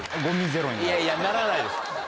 いやいやならないです。